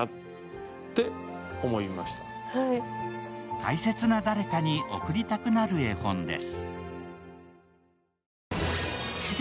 大切な誰かに贈りたくなる絵本です。